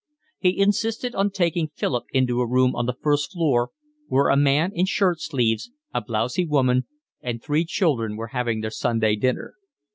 He insisted on taking Philip into a room on the first floor, where a man in shirt sleeves, a blousy woman, and three children were having their Sunday dinner.